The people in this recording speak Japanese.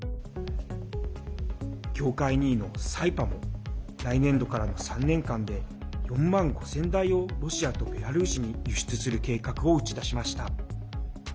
業界２位のサイパも来年度からの３年間で４万５０００台をロシアとベラルーシに輸出する計画を打ち出しました。